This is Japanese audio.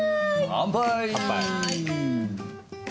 乾杯！